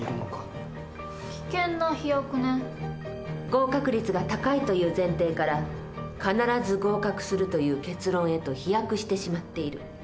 合格率が高いという前提から必ず合格するという結論へと飛躍してしまっている。